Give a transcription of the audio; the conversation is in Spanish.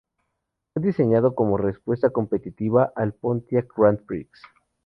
Fue diseñado como respuesta competitiva al Pontiac Grand Prix.